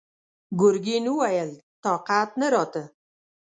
ګرګين وويل: طاقت نه راته!